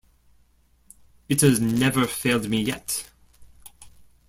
It has never failed me yet.